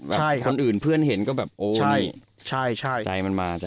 คนอื่นเพื่อนเห็นก็แบบโอ้ใช่ใช่ใจมันมา